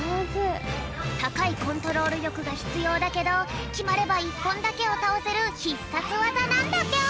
たかいコントロールりょくがひつようだけどきまれば１ぽんだけをたおせるひっさつわざなんだぴょん！